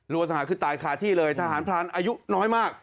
รัวสังหารคือตายขาดที่เลยทหารพลานอายุน้อยมาก